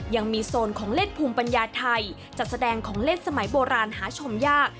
ยังมีโซนของเล่นภูมิปัญญาไทยจัดแสดงของเล่นสมัยโบราณหาชมยาก